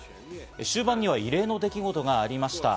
終盤には異例の出来事がありました。